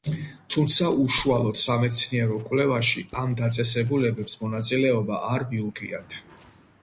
თუმცა, უშუალოდ სამეცნიერო კვლევაში ამ დაწესებულებებს მონაწილეობა არ მიუღიათ.